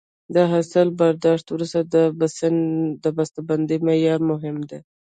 د حاصل برداشت وروسته د بسته بندۍ معیار مهم دی.